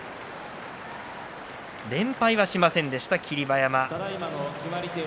連敗はしませんでした霧馬山。